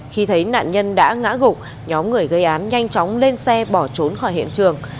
khi thấy nạn nhân đã ngã gục nhóm người gây án nhanh chóng lên xe bỏ trốn khỏi hiện trường